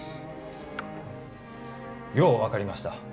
よう分かりました。